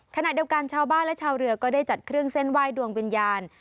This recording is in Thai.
ขณะเดียวกันชาวบ้านและชาวเรือก็ได้จัดเครื่องเส้นไหว้ดวงวิญญาณ